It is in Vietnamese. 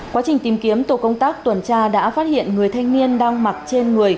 quá trình tìm kiếm tổ công tác tuần tra đã phát hiện người thanh niên đang mặc trên người